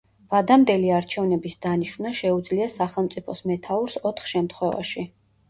ვადამდელი არჩევნების დანიშვნა შეუძლია სახელმწიფოს მეთაურს ოთხ შემთხვევაში.